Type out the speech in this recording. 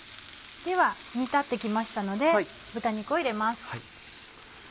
では煮立って来ましたので豚肉を入れます。